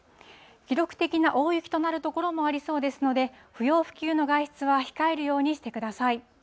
記録的な大雪となる所もありそうですので、不要不急の外出は控えるようにしてください。